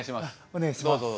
お願いします。